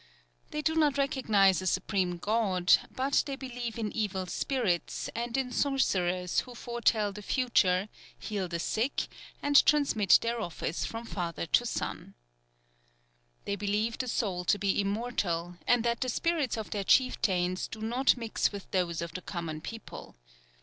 They do not recognize a supreme God, but they believe in evil spirits, and in sorcerers who foretell the future, heal the sick, and transmit their office from father to son. They believe the soul to be immortal, and that the spirits of their chieftains do not mix with those of the common people.